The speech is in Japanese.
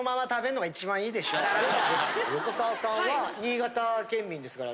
横澤さんは新潟県民ですから。